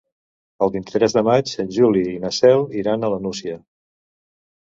El vint-i-tres de maig en Juli i na Cel iran a la Nucia.